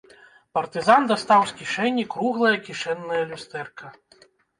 Партызан дастаў з кішэні круглае кішэннае люстэрка.